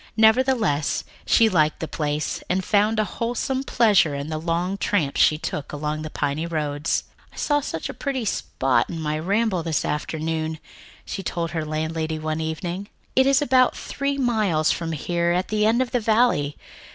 Nevertheless, she liked the place and found a wholesome pleasure in the long tramps she took along the piney roads. "I saw such a pretty spot in my ramble this afternoon," she told her landlady one evening. "It is about three miles from here at the end of the valley.